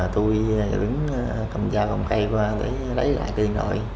tôi đứng cầm dao cầm cây qua để đẩy lại điện thoại